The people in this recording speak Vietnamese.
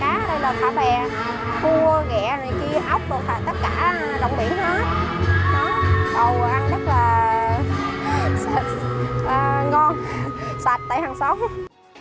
đầu ăn rất là ngon sạch tẩy hằng sống